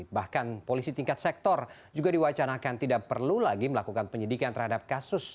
bahkan polisi tingkat sektor juga diwacanakan tidak perlu lagi melakukan penyidikan terhadap kasus